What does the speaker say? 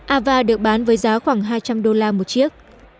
ava được bán với giá khoảng hai trăm linh đô la một chiếc